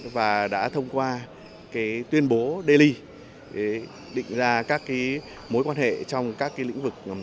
và đã thông qua tuyên bố daily để định ra các mối quan hệ trong các lĩnh vực